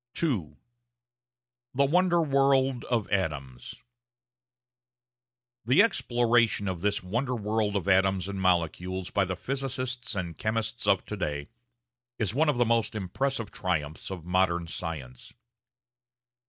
§ 2 The Wonder World of Atoms The exploration of this wonder world of atoms and molecules by the physicists and chemists of to day is one of the most impressive triumphs of modern science.